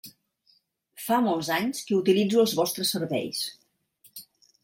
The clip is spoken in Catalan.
Fa molts anys que utilitzo els vostres serveis.